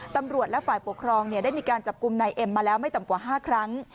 ตำรวจและฝ่ายปกครองได้มีการจับกลุ่มนายเอ็มมาแล้วไม่ต่ำกว่า๕ครั้ง